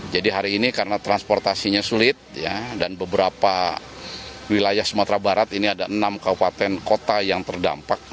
jadi hari ini karena transportasinya sulit dan beberapa wilayah sumatera barat ini ada enam kabupaten kota yang terdampak